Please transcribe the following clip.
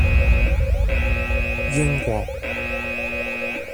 英國